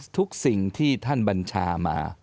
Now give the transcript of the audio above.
ทุกสิ่งที่ท่านบัญชามา